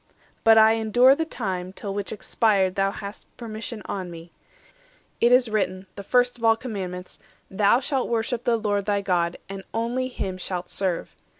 But I endure the time, till which expired Thou hast permission on me. It is written, The first of all commandments, 'Thou shalt worship The Lord thy God, and only Him shalt serve.